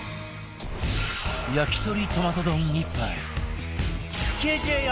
焼き鳥トマト丼１杯